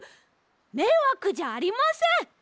めいわくじゃありません！